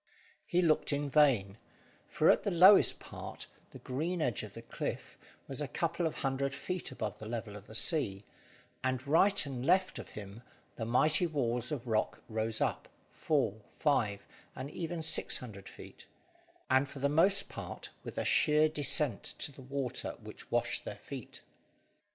He looked in vain, for at the lowest part the green edge of the cliff was a couple of hundred feet above the level of the sea, and right and left of him the mighty walls of rock rose up, four, five, and even six hundred feet, and for the most part with a sheer descent to the water which washed their feet.